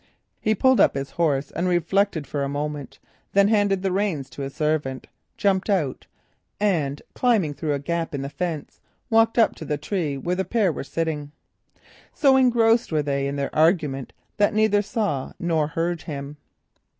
He pulled up his horse and reflected for a moment, then handing the reins to his servant, jumped out, and climbing through a gap in the fence walked up to the tree. So engrossed were they in their argument, that they neither saw nor heard him.